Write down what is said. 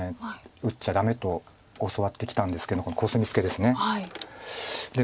打っちゃダメと教わってきたんですけどこのコスミツケです。